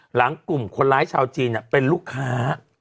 หลังกลุ่มคนร้ายชาวจีนเป็นลูกค้า